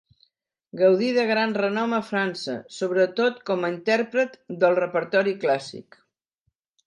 Gaudi de gran renom a França, sobretot com a intèrpret del repertori clàssic.